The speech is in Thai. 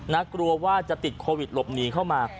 กลัวว่าจะติดโควิดหลบหนีเข้ามา